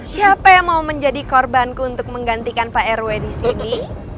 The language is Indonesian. siapa yang mau menjadi korbanku untuk menggantikan pak rw di sini